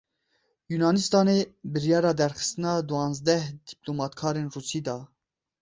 Yûnanistanê biryara derxistina duwazdeh dîplomatkarên Rûsî da.